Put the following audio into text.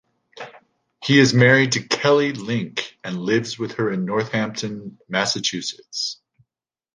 He is married to Kelly Link and lives with her in Northampton, Massachusetts.